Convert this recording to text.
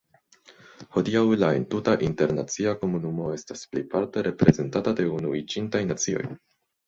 Hodiaŭ la entuta internacia komunumo estas plejparte reprezentata de Unuiĝintaj Nacioj.